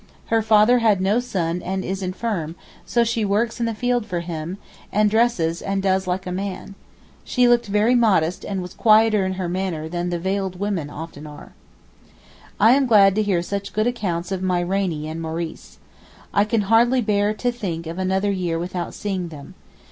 Her father had no son and is infirm, so she works in the field for him, and dresses and does like a man. She looked very modest and was quieter in her manner than the veiled women often are. I am so glad to hear such good accounts of my Rainie and Maurice. I can hardly bear to think of another year without seeing them.